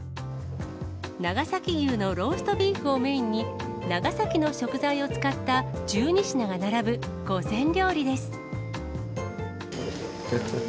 ながさき牛のローストビーフをメインに、長崎の食材を使った１２品が並ぶ御膳料理です。